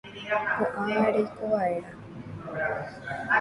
Ko'ág̃a reikova'erã.